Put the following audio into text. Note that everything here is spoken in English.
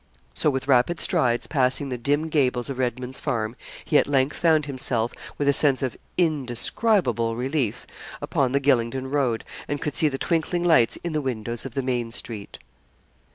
So, with rapid strides passing the dim gables of Redman's Farm, he at length found himself, with a sense of indescribable relief, upon the Gylingden road, and could see the twinkling lights in the windows of the main street.